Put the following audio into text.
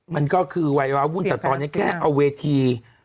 มันก็คือวัยวะวุ่นแต่ตอนนี้แค่เอาเวที